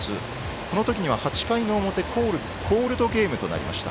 この時は、８回の表コールドゲームとなりました。